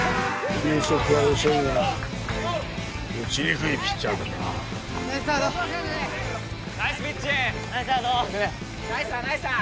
球速は遅いが打ちにくいピッチャーだなナイスサード・ナイスピッチ・ナイスサード・ナイスサーナイスサー